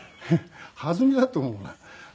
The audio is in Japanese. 弾みだと思うなあ。